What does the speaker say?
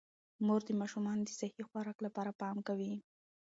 مور د ماشومانو د صحي خوراک لپاره پام کوي